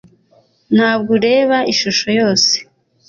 Ntabwo ureba ishusho yose.